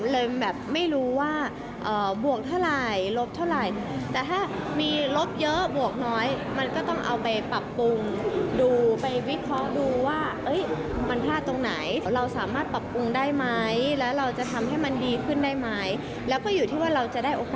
แล้วก็อยู่ที่ว่าเราจะได้โอกาสทำอีกหรือเปล่า